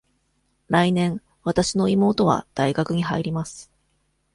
来年、わたしの妹は大学に入ります。